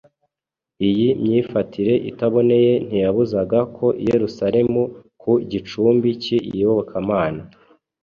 Iyi myifatire itaboneye ntiyabuzaga ko i Yeruzalemu ku gicumbi cy‟iyobokamana